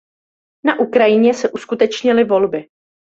Na Ukrajině se uskutečnily volby.